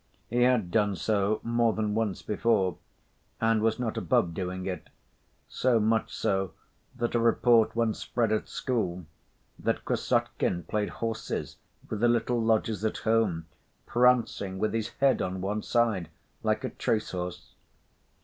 He had done so more than once before and was not above doing it, so much so that a report once spread at school that Krassotkin played horses with the little lodgers at home, prancing with his head on one side like a trace‐horse.